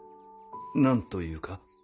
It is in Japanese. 何というか？